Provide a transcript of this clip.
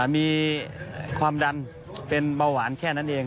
มีความดันเป็นเบาหวานแค่นั้นเอง